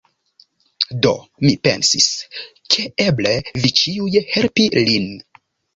Do, mi pensis, ke eble vi ĉiuj helpi lin